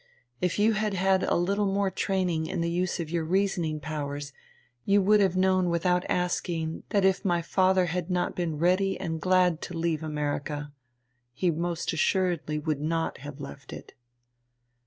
If you had had a little more training in the use of your reasoning powers you would have known without asking that if my father had not been ready and glad to leave America, he most assuredly would not have left it."